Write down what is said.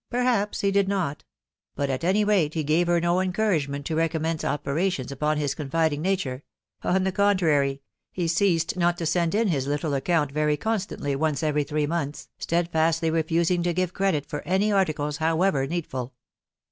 perhaps he did not ; but at any rate he gave her no encouragement to recom mence operations upon his confiding nature ; on the contrary, he ceased not to send in his little account very constantly once every three months, stedfastly refusing to give credit for any articles, however needful.